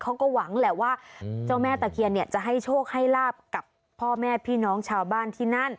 เขาก็หวังแหละว่าเจ้าแม่ตะเคียนเนี่ยจะให้โชคให้ลาบกับพ่อแม่พี่น้องชาวบ้านที่นั่น